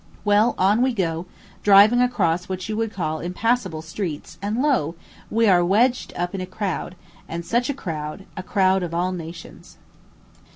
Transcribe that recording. Well, on we go, driving across what you would call impassable streets, and lo! we are wedged up in a crowd, and such a crowd, a crowd of all nations.